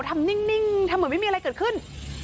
ทำนิ่งทำเหมือนไม่มีอะไรเกิดขึ้น